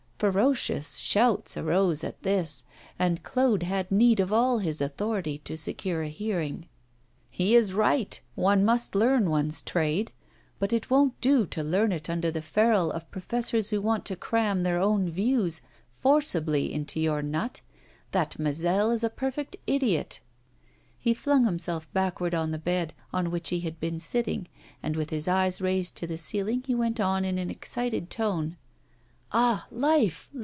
Ferocious shouts arose at this, and Claude had need of all his authority to secure a hearing. 'He is right. One must learn one's trade. But it won't do to learn it under the ferule of professors who want to cram their own views forcibly into your nut. That Mazel is a perfect idiot!' He flung himself backward on the bed, on which he had been sitting, and with his eyes raised to the ceiling, he went on, in an excited tone: 'Ah! life!